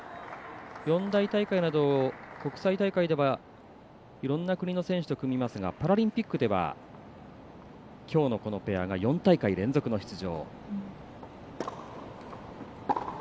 四大大会など国際大会ではいろんな国の選手と組みますがパラリンピックではきょうのこのペアが４大会連続の出場。